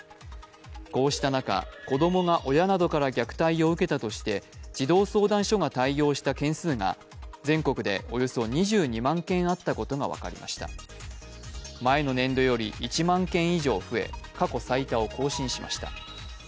こうした中、子供が親などから虐待を受けたとして児童相談所が対応した件数が全国でおよそ２２万件あったことが分かりました前の年度より１万件以上増え、過去最多を更新しました。